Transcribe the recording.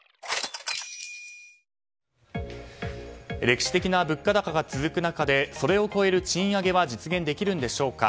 歴史的な物価高が続く中でそれを超える賃上げは実現できるんでしょうか。